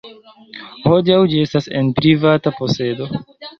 Hodiaŭ ĝi estas en privata posedo.